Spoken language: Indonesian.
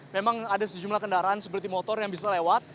memang ada sejumlah kendaraan seperti motor yang bisa lewat